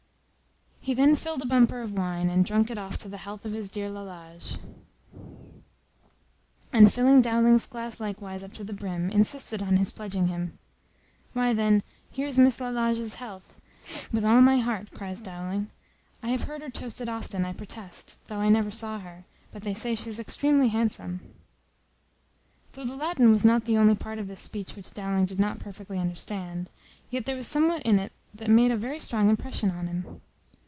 He then filled a bumper of wine, and drunk it off to the health of his dear Lalage; and, filling Dowling's glass likewise up to the brim, insisted on his pledging him. "Why, then, here's Miss Lalage's health with all my heart," cries Dowling. "I have heard her toasted often, I protest, though I never saw her; but they say she's extremely handsome." Though the Latin was not the only part of this speech which Dowling did not perfectly understand; yet there was somewhat in it that made a very strong impression upon him.